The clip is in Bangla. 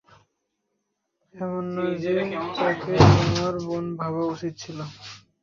এমন না যে, তাকে তোমার বোন ভাবা উচিত ছিল।